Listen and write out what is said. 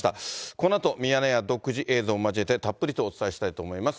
このあとミヤネ屋独自映像を交えて、たっぷりとお伝えしたいと思います。